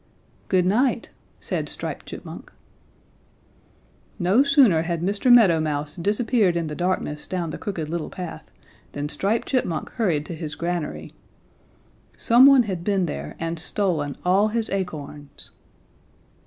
"'Good night,' said Striped Chipmunk. "No sooner had Mr. Meadow Mouse disappeared in the darkness down the Crooked Little Path than Striped Chipmunk hurried to his granary. Some one had been there and stolen all his acorns!